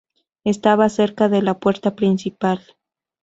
Estaba cerca de la Puerta principal.